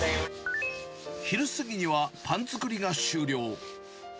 昼過ぎには、パン作りが終了。